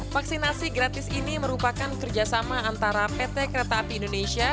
vaksinasi gratis ini merupakan kerjasama antara pt kereta api indonesia